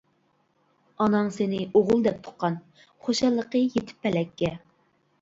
ئاناڭ سېنى ئوغۇل دەپ تۇغقان، خۇشاللىقى يېتىپ پەلەككە.